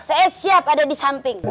saya siap ada di samping